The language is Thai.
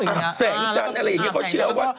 แสงจันทร์อะไรอย่างนี้เขาเชื่อว่า